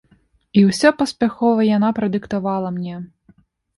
І ўсё паспяхова яна прадыктавала мне.